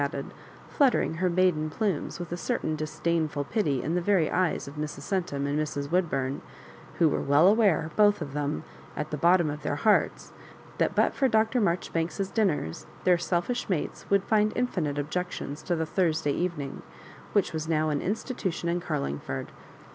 added, fluttering her maiden plumes with a cer tain disdainful pity in the very eyes of Mrs. Cen tum and Mrs. Woodbum, who were well aware, both of them, at the bottom of their hearts, that but for Dr. Maijoribanks^s dinners, their selfish mates would find infinite objections to the Thurs day evening, which was now an institution in Carlingford.